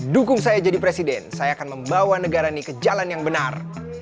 dukung saya jadi presiden saya akan membawa negara ini ke jalan yang benar